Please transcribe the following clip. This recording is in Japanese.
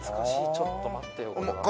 ちょっと待って。